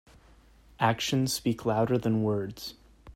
Actions speak louder than words.